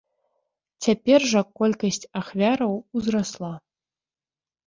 Цяпер жа колькасць ахвяраў узрасла.